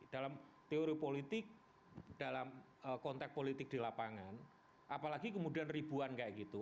dalam teori politik dalam konteks politik di lapangan apalagi kemudian ribuan kayak gitu